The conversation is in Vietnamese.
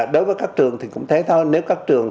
đối với các trường thì cũng thế thôi nếu các trường